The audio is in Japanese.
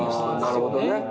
ああなるほどね。